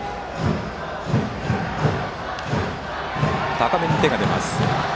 高めに手が出ます。